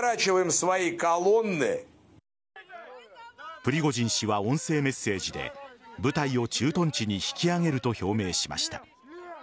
プリゴジン氏は音声メッセージで部隊を駐屯地に引き揚げると表明しました。